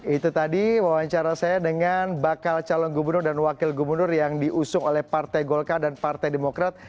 itu tadi wawancara saya dengan bakal calon gubernur dan wakil gubernur yang diusung oleh partai golkar dan partai demokrat